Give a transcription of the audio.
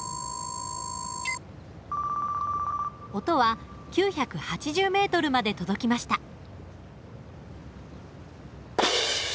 音は９８０ｍまで届きました。